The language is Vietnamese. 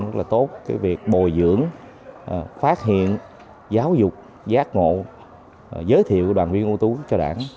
rất tốt việc bồi dưỡng phát hiện giáo dục giác ngộ giới thiệu đoàn viên ưu tú cho đảng